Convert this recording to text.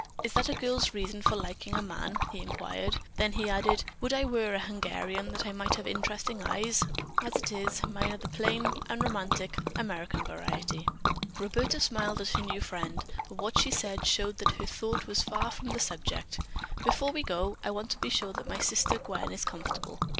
"Is that a girl's reason for liking a man?" he inquired. Then he added, "Would I were a Hungarian that I might have interesting eyes. As it is, mine are the plain, unromantic American variety." Roberta smiled at her new friend, but what she said showed that her thought was far from the subject: "Before we go, I want to be sure that my sister, Gwen, is comfortable."